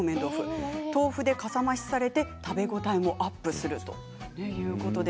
豆腐でかさ増しされて食べ応えもアップするということです。